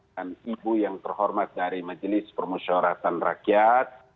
dan ibu yang terhormat dari majelis permusawaratan rakyat